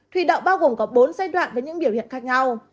thủy đậu bao gồm có bốn giai đoạn với những biểu hiện khác nhau